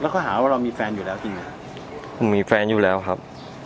ผมมีแฟนอยู่แล้วครับ